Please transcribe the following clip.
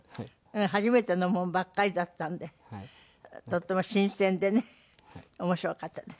初めてのものばっかりだったのでとっても新鮮でね面白かったです。